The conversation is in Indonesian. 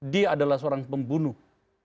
dia adalah seorang pembunuh